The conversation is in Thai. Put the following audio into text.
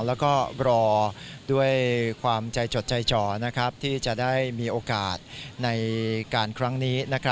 แล้วก็รอด้วยความใจจดใจจ่อที่จะได้มีโอกาสในการครั้งนี้